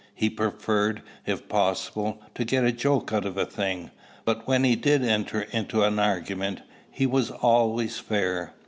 He preferred, if possible, to get a joke out of a thing; but when he did enter into an argument, he was always fair.